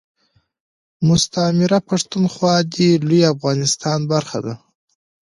مستعمره پښتونخوا دي لوي افغانستان برخه ده